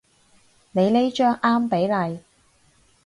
你呢張啱比例